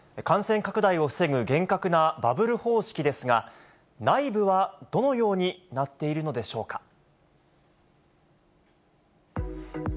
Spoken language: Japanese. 感染拡大を防ぐ厳格なバブル方式ですが、内部はどのようになっているのでしょうか。